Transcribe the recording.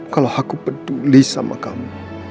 kalau aku peduli sama kamu